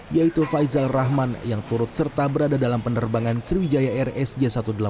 yaitu faizal rahman yang turut serta berada dalam penerbangan sriwijaya r s j satu ratus delapan puluh dua